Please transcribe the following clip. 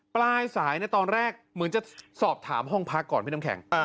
ปลายสายตอนแรกเหมือนจะสอบถามห้องพักก่อนพี่น้ำแข็ง